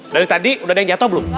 dari tadi udah ada yang jatuh belum